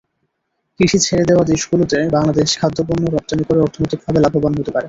কৃষি ছেড়ে দেওয়া দেশগুলোতে বাংলাদেশ খাদ্যপণ্য রপ্তানি করে অর্থনৈতিকভাবে লাভবান হতে পারে।